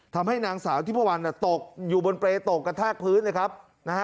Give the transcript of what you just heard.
ทำให้นางสาวทิพวันตกอยู่บนเปรย์ตกกระแทกพื้นเลยครับนะฮะ